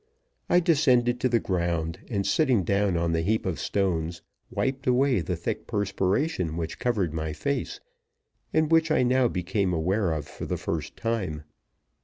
I descended to the ground, and, sitting down on the heap of stones, wiped away the thick perspiration which covered my face, and which I now became aware of for the first time.